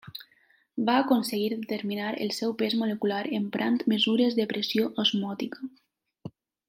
Va aconseguir determinar el seu pes molecular emprant mesures de pressió osmòtica.